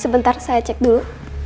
sebentar saya cek dulu